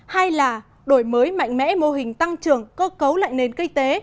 hai là đổi mới mạnh mẽ mô hình tăng trưởng cơ cấu lại nền kinh tế